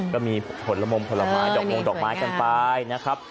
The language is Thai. ก็มีผลมงผลไม้ดอกมงดอกไม้กันไปนะครับ